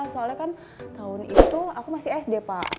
soalnya kan tahun itu aku masih sd pak